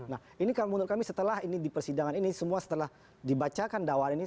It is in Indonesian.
nah ini kalau menurut kami setelah ini di persidangan ini semua setelah dibacakan dakwaan ini